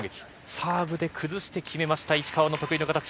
サーブで崩して決めました、石川の得意の形。